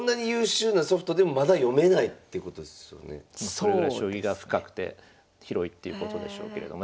それぐらい将棋が深くて広いっていうことでしょうけれどもね。